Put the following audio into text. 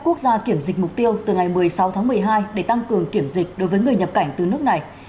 quốc gia kiểm dịch mục tiêu từ ngày một mươi sáu tháng một mươi hai để tăng cường kiểm dịch đối với người nhập cảnh từ nước này